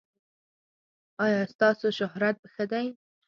ایا ستاسو شهرت ښه دی؟